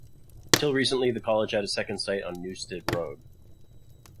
Until recently, the college had a second site on Newstead Road.